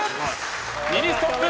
ミニストップ